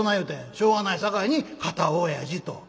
「しょうがないさかいに『堅親父』と」。